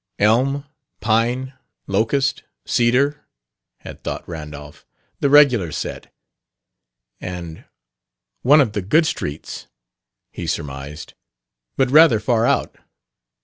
"Elm, Pine, Locust, Cedar," had thought Randolph; "the regular set." And, "One of the good streets," he surmised, "but rather far out.